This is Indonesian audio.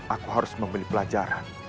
aku harus membeli pelajaran